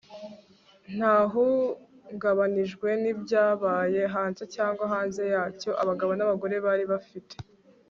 ntahungabanijwe nibyabaye hanze cyangwa hanze yacyo. abagabo n'abagore bari bafite